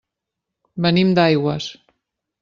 Venim d'Aigües.